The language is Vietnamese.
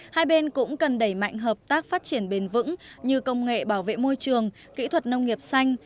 hai bên cũng cần đẩy mạnh hợp tác phát triển bền vững như công nghệ bảo vệ môi trường kỹ thuật nông nghiệp xanh